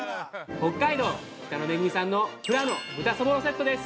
北海道、北の恵さんのふらの豚そぼろセットです。